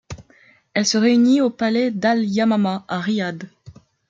Elle se réunit au palais d'Al-Yamamah, à Riyad.